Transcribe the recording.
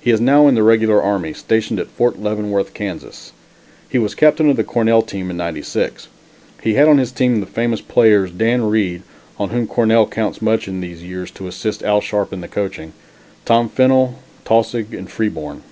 He is now in the regular army, stationed at Fort Leavenworth, Kansas. He was captain of the Cornell team in '96. He had on his team the famous players, Dan Reed, on whom Cornell counts much in these years to assist Al Sharpe in the coaching; Tom Fennel, Taussig and Freeborn.